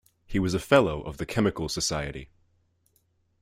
He was a fellow of the Chemical Society.